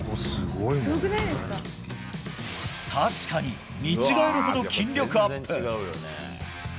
確かに見違えるほど筋力アップ。